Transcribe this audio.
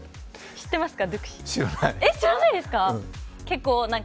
知ってますか？